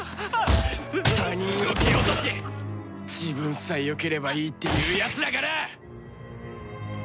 他人を蹴落とし自分さえよければいいっていうやつらがな！